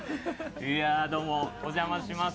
どうも、お邪魔します。